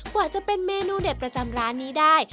กว่าจะเป็นเมนูเด็ดประจำร้านนี้ได้